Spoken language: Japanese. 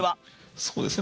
そうですね。